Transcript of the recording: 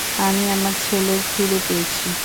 আমি আমার ছেলে ফিরে পেয়েছি।